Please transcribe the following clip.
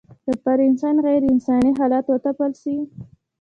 که پر انسان غېر انساني حالات وتپل سي